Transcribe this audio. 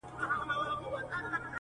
په ناسته شعر لیکي دا مناسبه نده